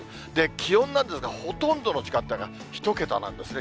気温なんですが、ほとんどの時間帯が１桁なんですね。